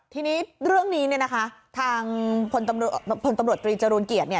ทีนี้เรื่องนี้เนี่ยนะคะทางพลตำรวจตรีจรูลเกียรติ